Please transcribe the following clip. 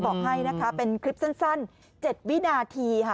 บอกให้นะคะเป็นคลิปสั้น๗วินาทีค่ะ